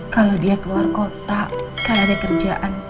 kalau dia keluar kota karena ada kerjaan